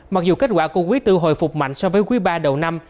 mặc dù kết quả của quý tư hồi phục mạnh so với quý ba đầu năm